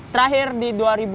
terakhir di dua ribu dua puluh